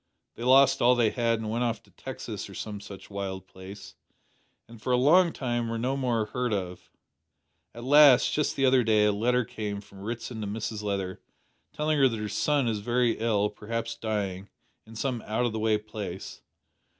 They lost all they had and went off to Texas or some such wild place, and for a long time were no more heard of. At last, just the other day, a letter came from Ritson to Mrs Leather, telling her that her son is very ill perhaps dying in some out o' the way place.